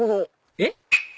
えっ？